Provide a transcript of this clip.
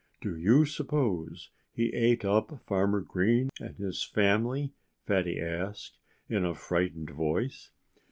"Do you suppose he ate up Farmer Green and his family?" Fatty asked in a frightened voice.